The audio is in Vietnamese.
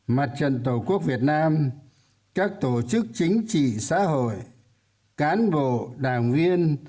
mặt trận tổ quốc việt nam các tổ chức chính trị xã hội cán bộ đảng viên